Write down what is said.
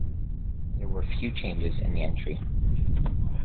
There were few changes in the entry.